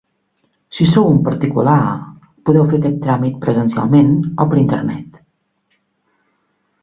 Si sou un particular podeu fer aquest tràmit presencialment o per internet.